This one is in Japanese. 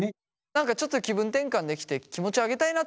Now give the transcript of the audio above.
何かちょっと気分転換できて気持ちを上げたいなってなったら。